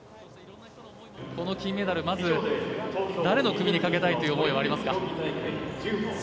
この金メダルまず誰の首にかけたいという思いがありますか？